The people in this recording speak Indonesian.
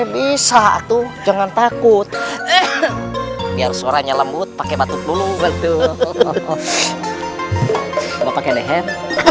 bisa tuh jangan takut biar suaranya lembut pakai batik dulu betul pakai leher